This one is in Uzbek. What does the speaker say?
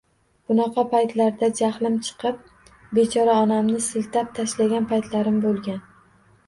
Bunaqa paytlarda jahlim chiqib, bechora onamni siltab tashlagan paytlarim bo`lgan